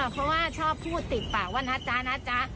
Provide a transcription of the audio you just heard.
เพราะว่าชอบพูดติดปากว่านะจ๊ะนะจ๊ะ